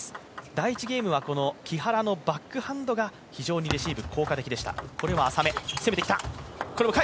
第１ゲームは木原のバックハンドがレシーブ、効果的でした。